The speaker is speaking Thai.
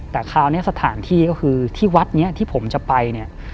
แต่คราวนี้สถานที่ก็คือที่วัดที่ผมจะไป